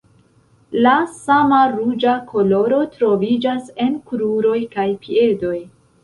La sama ruĝa koloro troviĝas en kruroj kaj piedoj.